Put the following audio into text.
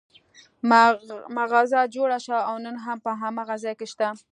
مغازه جوړه شوه او نن هم په هماغه ځای کې شته.